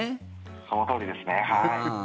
そのとおりですね、はい。